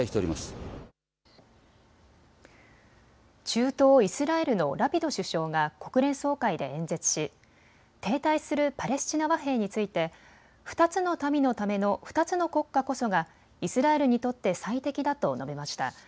中東イスラエルのラピド首相が国連総会で演説し停滞するパレスチナ和平について２つの民のための２つの国家こそがイスラエルにとって最適だと述べました。